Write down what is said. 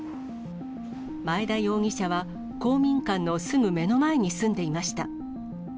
前田容疑者は公民館のすぐ目の前に住んでいました。